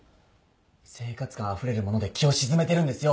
生活感あふれる物で気を静めてるんですよ。